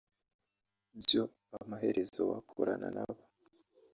byo amaherezo wakorana nabo